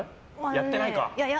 やってないか。